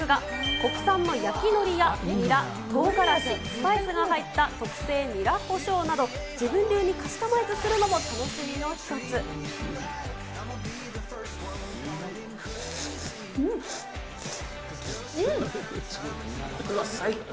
国産の焼きノリやニラ、とうがらし、スパイスが入った特製ニラ胡椒など自分流にカスタマイズするのもうわ、最高。